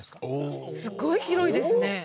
おおーすごい広いですね